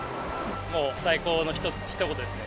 もう最高のひと言ですね。